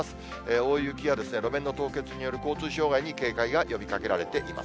大雪や路面の凍結による交通障害に警戒が呼びかけられています。